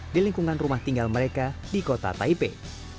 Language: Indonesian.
di lingkungan rumah tinggal mereka di kota taipei